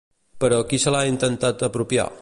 Però qui se l'ha intentat apropiar?